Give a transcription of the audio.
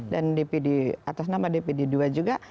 dan dpd atas nama dpd ii juga